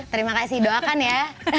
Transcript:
terima kasih doakan ya